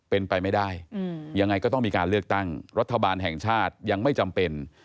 เป็นไปไม่ได้ยังไงก็ต้องมีการเลือกตั้งรัฐบาลแห่งชาติยังไม่จำเป็น